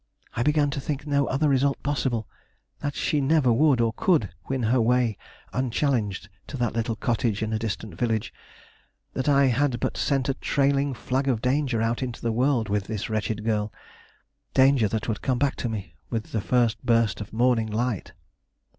I began to think no other result possible; that she never would or could win her way unchallenged to that little cottage in a distant village; that I had but sent a trailing flag of danger out into the world with this wretched girl; danger that would come back to me with the first burst of morning light!